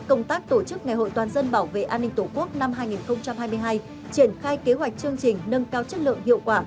công tác tổ chức ngày hội toàn dân bảo vệ an ninh tổ quốc năm hai nghìn hai mươi hai triển khai kế hoạch chương trình nâng cao chất lượng hiệu quả